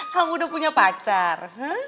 kamu udah punya pacar